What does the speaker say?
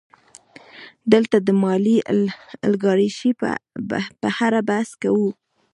دلته د مالي الیګارشۍ په اړه بحث کوو